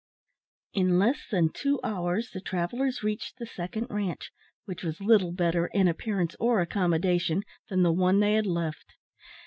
In less than two hours the travellers reached the second ranche, which was little better, in appearance or accommodation, than the one they had left.